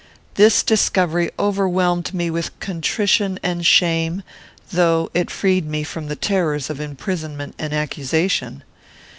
This discovery overwhelmed me with contrition and shame, though it freed me from the terrors of imprisonment and accusation.